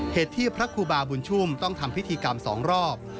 เหตุที่พระครูบาบุญชุ่มต้องทำพิธีกรรม๒รอบ